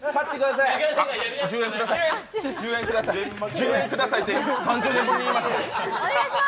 １０円くださいって３０年ぶりに言いました。